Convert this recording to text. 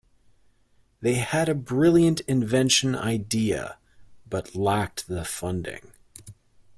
They had a brilliant invention idea but lacked the funding.